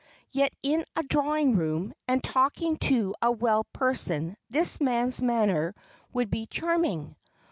Yet in a drawing room, and talking to a well person, this man's manner would be charming.